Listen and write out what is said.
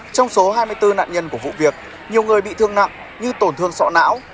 trong số hai mươi bốn nạn nhân của vụ việc nhiều người bị thương nặng như tổn thương sọ não